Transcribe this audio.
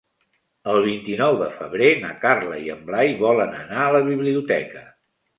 El vint-i-nou de febrer na Carla i en Blai volen anar a la biblioteca.